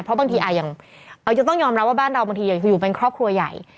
เพราะอาวุธต้องรับรับว่าบ้านเราคือยู่แบนครอบครัวใหญ่